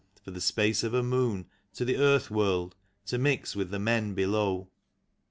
For the space of a moon to the earth world, to mix with the men below.